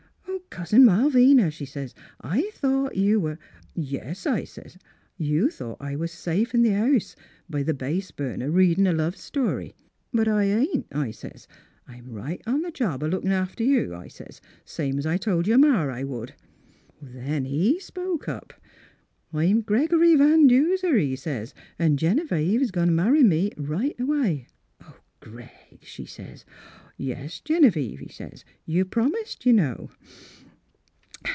"' Oh, Cousin Malvina,' she sez, ' I thought you were —'"' Yes,' I sez ;' you thought I was safe in the house, b' th' base burner, readin' a love story. But I ain't,' I sez. ' I'm right on the job o' lookin' after you,' I sez ;' same 's I told your ma I would.' " Then lie spoke up. "' I'm Gregory Van Duser," he sez, ' an' Genevieve is going to marry me right away.' "' Oh, Greg !' she sez. "' Yes, Genevieve,' he sez. ' You've promised, you know.'